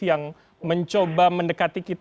yang mencoba mendekati masyarakat